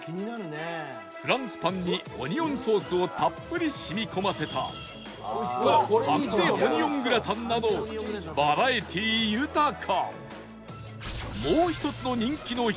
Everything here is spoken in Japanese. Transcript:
フランスパンにオニオンソースをたっぷり染み込ませたパン ｄｅ オニオングラタンなどバラエティー豊か